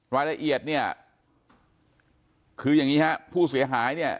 รายละเอียดเนี่ยคืออย่างนี้ฮะผู้เสียหายเนี่ย